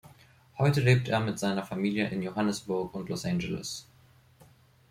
Heute lebt er mit seiner Familie in Johannesburg und Los Angeles.